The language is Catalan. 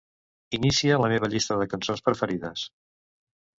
Inicia la meva llista de cançons preferides.